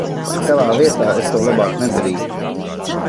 Tavā vietā es to labāk nedarītu...